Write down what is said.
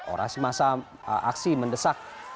orasi massa aksi mendesak